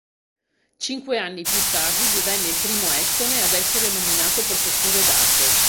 Cinque anni più tardi divenne il primo estone ad essere nominato Professore d'arte.